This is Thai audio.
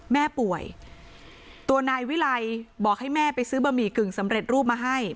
แม่ป่วยตัวนายวิไลบอกให้แม่ไปซื้อบะหมี่กึ่งสำเร็จรูปมาให้